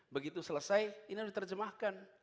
begitu selesai ini harus diterjemahkan